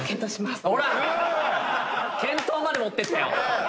検討まで持ってったよ。